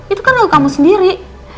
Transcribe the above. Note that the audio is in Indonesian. itu kan kalau kamu sendiri